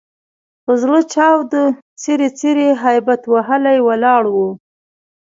په زړه چاود، څیري څیري هبیت وهلي ولاړ وو.